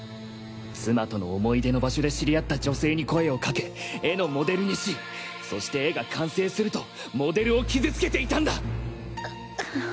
妻との思い出の場所で知り合った女性に声をかけ絵のモデルにしそして絵が完成するとモデルを傷つけていたんだ！！